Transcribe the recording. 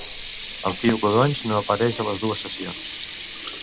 El tio Codonys no apareix a les dues sessions.